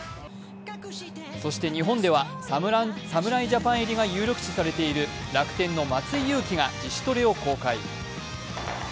そして日本では侍ジャパン入りが有力視されている楽天の松井裕樹が自主トレを公開。